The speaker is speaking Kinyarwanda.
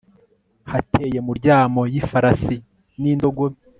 hateye muryamo y ifarasi n'indogobe